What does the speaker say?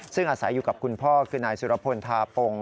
ซึ่งอาศัยอยู่กับคุณพ่อคือนายสุรพลทาปง